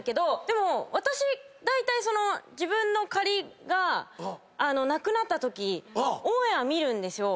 でも私だいたい自分の仮がなくなったときオンエア見るんですよ。